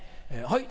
はい。